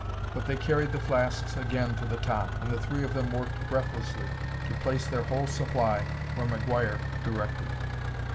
But they carried the flasks again to the top, and the three of them worked breathlessly to place their whole supply where McGuire directed.